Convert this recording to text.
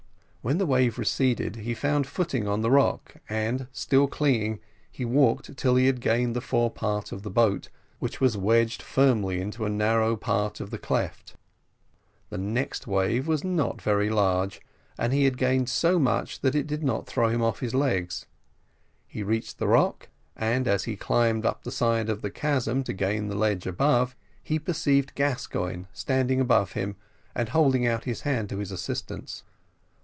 When the wave receded, he found footing on the rock, and still clinging, he walked till he had gained the fore part of the boat, which was wedged firmly into a narrow part of the cleft. The next wave was not very large, and he had gained so much that it did not throw him off his legs. He reached the rock, and as he climbed up the side of the chasm to gain the ledge above, he perceived Gascoigne standing above him, and holding out his hand to his assistance.